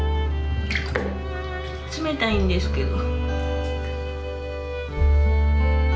冷たいんですけど。